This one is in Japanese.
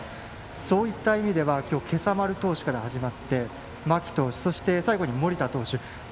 そういった意味では今朝丸投手から始まって間木投手そして最後に盛田投手。